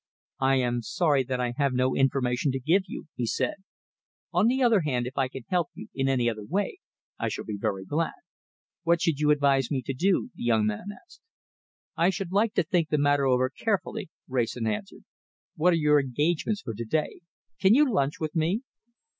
"I am sorry that I have no information to give you," he said. "On the other hand, if I can help you in any other way I shall be very glad." "What should you advise me to do?" the young man asked. "I should like to think the matter over carefully," Wrayson answered. "What are your engagements for to day? Can you lunch with me?"